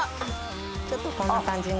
ちょっとこんな感じの。